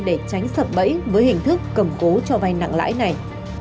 để tránh sập bẫy với hình thức cầm cố cho vay nặng lãi này